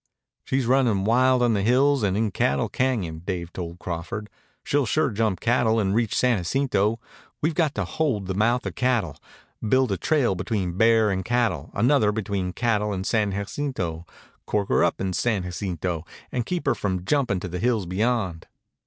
"She's running wild on the hills and in Cattle Cañon," Dave told Crawford. "She'll sure jump Cattle and reach San Jacinto. We've got to hold the mouth of Cattle, build a trail between Bear and Cattle, another between Cattle and San Jacinto, cork her up in San Jacinto, and keep her from jumping to the hills beyond."